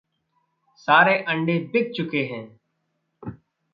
सारे अंडे बिक चुके हैं।